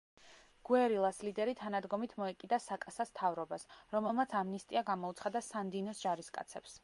გუერილას ლიდერი თანადგომით მოეკიდა საკასას მთავრობას, რომელმაც ამნისტია გამოუცხადა სანდინოს ჯარისკაცებს.